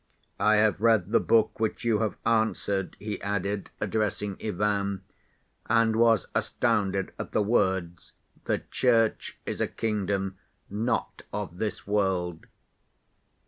"I have read the book which you have answered," he added, addressing Ivan, "and was astounded at the words 'the Church is a kingdom not of this world.